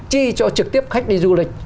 chi cho trực tiếp khách đi du lịch